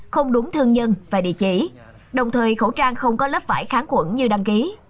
không đúng thân nhân và địa chỉ đồng thời khẩu trang không có lớp phải kháng quẩn như đăng ký